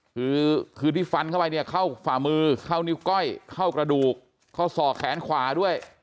คือคือที่ฟันเข้าไปเนี่ยเข้าฝ่ามือเข้านิ้วก้อยเข้ากระดูกเข้าศอกแขนขวาด้วย